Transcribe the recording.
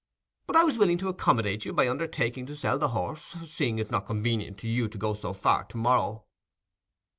But I was willing to accommodate you by undertaking to sell the horse, seeing it's not convenient to you to go so far to morrow."